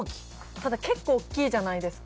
ただ結構大きいじゃないですか。